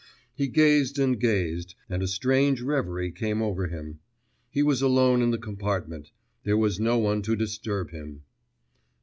He gazed and gazed, and a strange reverie came over him.... He was alone in the compartment; there was no one to disturb him.